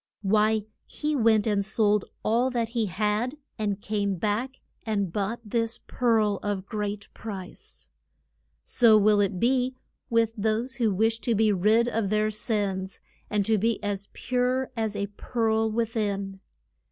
Why, he went and sold all that he had, and came back and bought this pearl of great price. So will it be with those who wish to be rid of their sins, and to be as pure as a pearl with in.